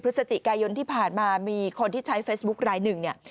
พฤศจิกายนที่ผ่านมามีคนที่ใช้เฟซบุ๊คลายหนึ่งเนี่ย